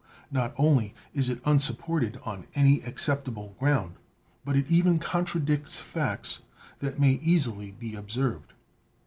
Not only is it unsupported on any acceptable ground, but it even contradicts facts that may easily be observed.